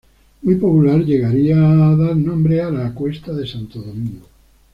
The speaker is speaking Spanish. Muy popular, llegaría a dar nombre a la cuesta de Santo Domingo.